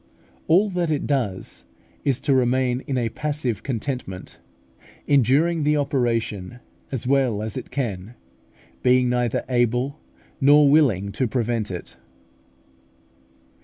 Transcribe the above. All that it does is to remain in a passive contentment, enduring this operation as well as it can, being neither able nor willing to prevent it.